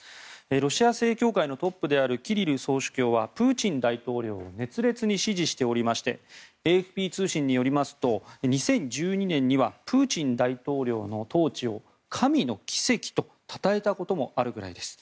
ロシア正教会のトップであるキリル総主教はプーチン大統領を熱烈に支持しておりましてＡＦＰ通信によりますと２０１２年にはプーチン大統領の統治を神の奇跡とたたえたこともあるぐらいです。